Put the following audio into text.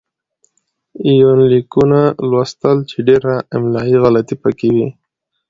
يونليکونه ولوستل چې ډېره املايي غلطي پکې وې